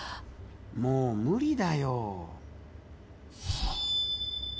もう無理だよ。